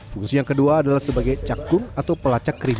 fungsi yang kedua adalah sebagai cakung atau pelacak kering